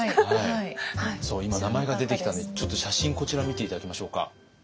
今名前が出てきたんでちょっと写真こちら見て頂きましょうか。